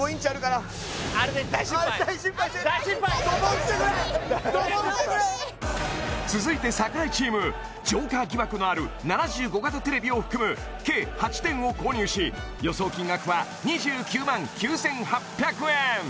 あれで大失敗して大失敗続いて櫻井チームジョーカー疑惑のある７５型テレビを含む計８点を購入し予想金額は２９万９８００円